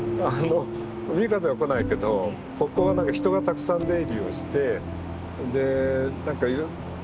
海風は来ないけどここは人がたくさん出入りをして渋谷なりの多様性